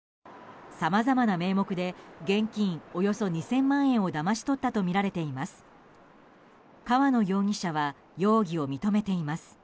さまざまな名目で現金およそ２０００万円をだまし取ったとみられています。